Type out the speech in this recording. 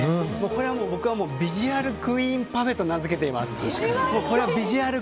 これはもう僕はビジュアルクイーンパフェと名付けています。